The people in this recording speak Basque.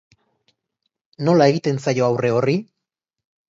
Nola egiten zaio aurre horri?